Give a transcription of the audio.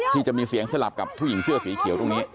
ที่จะมีเสียงสลับกับผู้หญิงเสื้อสีเขียวตรงนี้